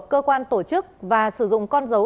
cơ quan tổ chức và sử dụng con dấu